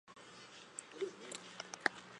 车站并设有两条轨道。